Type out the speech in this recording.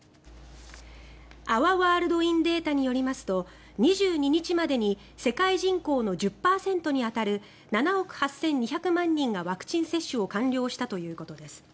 アワー・ワールド・イン・データによりますと２２日までに世界人口の１０％に当たる７億８２００万人がワクチン接種を完了したということです。